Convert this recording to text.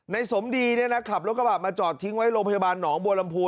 สมดีเนี่ยนะขับรถกระบะมาจอดทิ้งไว้โรงพยาบาลหนองบัวลำพู